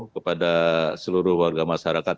kepada seluruh warga masyarakat